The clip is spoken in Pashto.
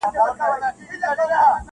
بیا میندل یې په بازار کي قیامتي وه-